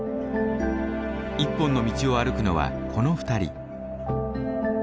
一本の道を歩くのはこの２人。